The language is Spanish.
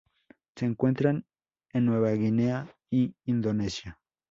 Se encuentran en Nueva Guinea y Indonesia.